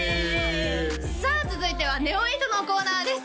さあ続いてはＮＥＯ８のコーナーです